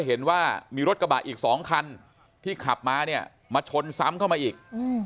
เห็นว่ามีรถกระบะอีก๒คันที่ขับมาเนี่ยมาชนซ้ำเข้ามาอีก